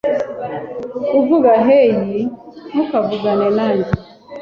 kuvuga, hey, ntukavugane nanjye